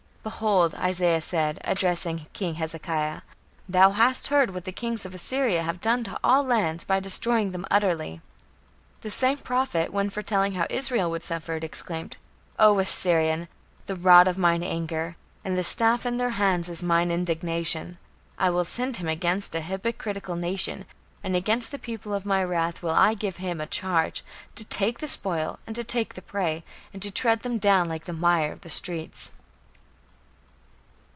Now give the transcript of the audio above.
"Behold," Isaiah said, addressing King Hezekiah, "thou hast heard what the kings of Assyria have done to all lands by destroying them utterly." The same prophet, when foretelling how Israel would suffer, exclaimed: "O Assyrian, the rod of mine anger, and the staff in their hand is mine indignation. I will send him against an hypocritical nation, and against the people of my wrath will I give him a charge, to take the spoil, and to take the prey, and to tread them down like the mire of the streets."